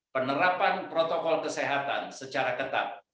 penerapan protokol kesehatan secara ketat